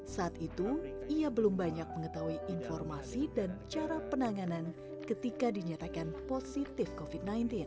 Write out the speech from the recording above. saat itu ia belum banyak mengetahui informasi dan cara penanganan ketika dinyatakan positif covid sembilan belas